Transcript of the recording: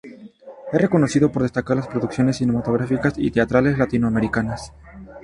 Es reconocido por destacar las producciones cinematográficas y teatrales latinoamericanas.